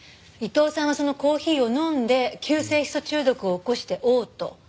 伊藤さんはそのコーヒーを飲んで急性ヒ素中毒を起こして嘔吐。